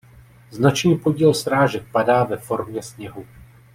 Značný podíl srážek padá ve formě sněhu.